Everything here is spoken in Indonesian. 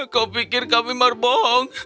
kau pikir kami merbohong